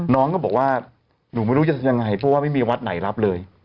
น้องก็บอกว่าหนูไม่รู้จะยังไงเพราะว่าไม่มีวัดไหนรับเลย